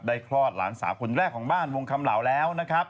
คลอดหลานสาวคนแรกของบ้านวงคำเหล่าแล้วนะครับ